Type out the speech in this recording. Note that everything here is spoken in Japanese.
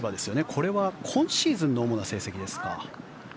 これは今シーズンの主な成績ですか。